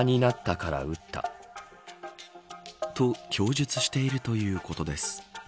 と、供述しているということです。